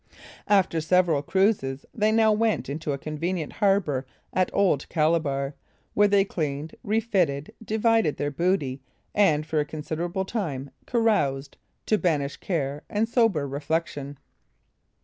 After several cruises, they now went into a convenient harbor at Old Calabar, where they cleaned, refitted, divided their booty, and for a considerable time caroused, to banish care and sober reflection.